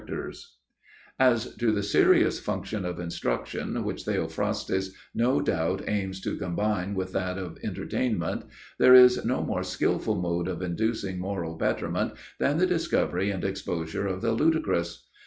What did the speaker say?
[Sidenote: Ridicule as an Instrument of Instruction] As to the serious function of instruction which Theophrastus no doubt aims to combine with that of entertainment, there is no more skilful mode of inducing moral betterment than the discovery and exposure of the ludicrous.